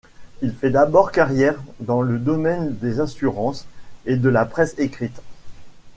Il fait d'abord carrière dans le domaine des assurances et de la presse écrite.